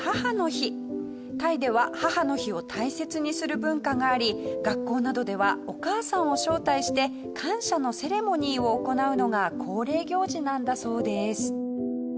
タイでは母の日を大切にする文化があり学校などではお母さんを招待して感謝のセレモニーを行うのが恒例行事なんだそうです。